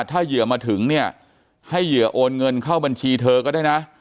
ถ้าเหยื่อมาถึงเนี่ยให้เหยื่อโอนเงินเข้าบัญชีเธอก็ได้นะ